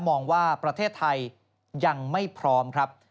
มองว่าประเทศไทยยังไม่พร้อมครับ